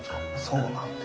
そうなんです。